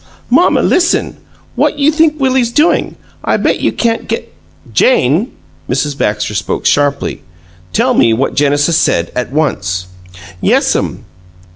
"Mamma, listen! What you think Willie's doin'? I bet you can't g " "Jane!" Mrs Baxter spoke sharply. "Tell me what Genesis said, at once." "Yes'm.